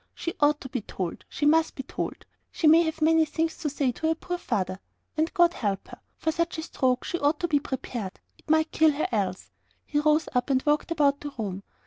She ought to be told: she must be told: she may have many things to say to her poor father. And God help her! for such a stroke she ought to be a little prepared. It might kill her else!" He rose up and walked about the room.